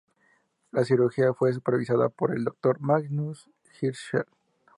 La cirugía fue supervisada por el Doctor Magnus Hirschfeld.